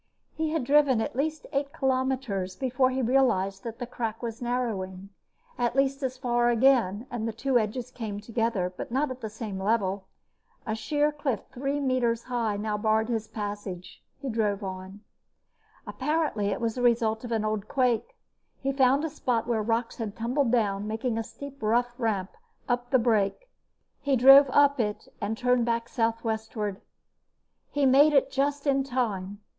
He had driven at least eight kilometers before he realized that the crack was narrowing. At least as far again, the two edges came together, but not at the same level. A sheer cliff three meters high now barred his passage. He drove on. Apparently it was the result of an old quake. He found a spot where rocks had tumbled down, making a steep, rough ramp up the break. He drove up it and turned back southwestward. He made it just in time.